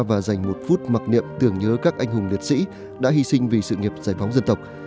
và dành một phút mặc niệm tưởng nhớ các anh hùng liệt sĩ đã hy sinh vì sự nghiệp giải phóng dân tộc